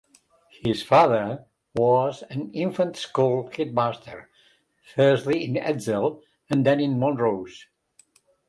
His father was an infant school headmaster, firstly in Edzell and then in Montrose.